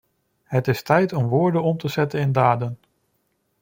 Het is tijd om woorden om te zetten in daden.